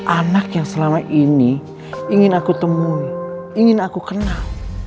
anak yang selama ini ingin aku temui ingin aku kenal